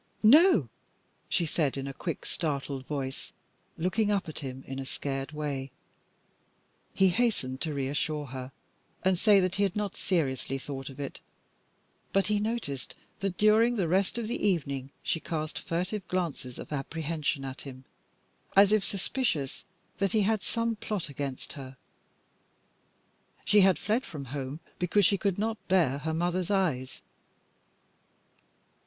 "No," she said in a quick, startled voice, looking up at him in a scared way. He hastened to reassure her, and say that he had not seriously thought of it, but he noticed that during the rest of the evening she cast furtive glances of apprehension at him, as if suspicious that he had some plot against her. She had fled from home because she could not bear her mother's eyes.